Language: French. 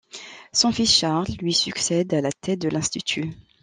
Son fils Charles lui succède à la tête de l'Institut.